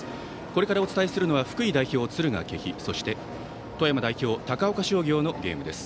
これからお伝えするのは福井代表、敦賀気比富山代表、高岡商業のゲームです。